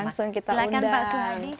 langsung kita undang pak suhadi